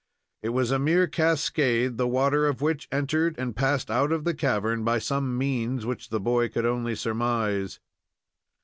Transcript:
It was a mere cascade, the water of which entered and passed out the cavern by some means which the boy could only surmise.